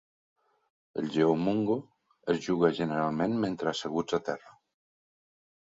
El "geomungo" es juga generalment mentre asseguts a terra.